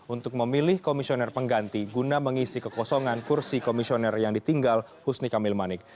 untuk memilih komisioner pengganti guna mengisi kekosongan kursi komisioner yang ditinggal husni kamil manik